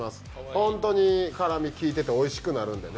本当に辛みが効いてておいしくなるんでね。